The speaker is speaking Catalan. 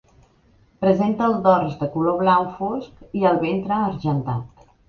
Presenta el dors de color blau fosc i el ventre argentat.